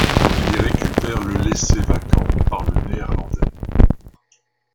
Il y récupère le laissé vacant par le Néerlandais.